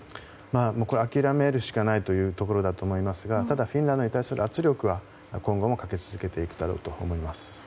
これは諦めるしかないというところだと思いますがただフィンランドに対する圧力は今後もかけ続けていくだろうと思われます。